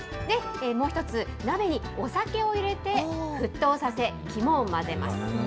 もう一つ、鍋にお酒を入れて、沸騰させ、肝を混ぜます。